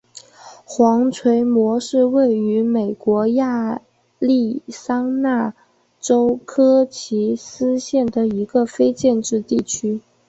黄锤磨是位于美国亚利桑那州科奇斯县的一个非建制地区。